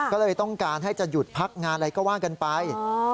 ก็เลยต้องการให้จะหยุดพักงานอะไรก็ว่ากันไป